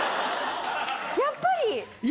「やっぱり」？